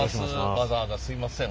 わざわざすいません